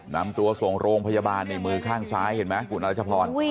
นำตัวส่งโรงพยาบาลในมือข้างซ้ายเห็นไหมคุณรัชพร